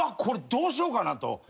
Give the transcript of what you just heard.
これどうしようかなと。